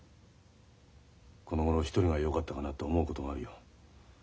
このごろ一人がよかったかなと思うことがあるよ。